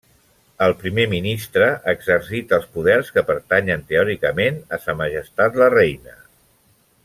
El primer ministre exercita els poders que pertanyen teòricament a Sa Majestat la Reina.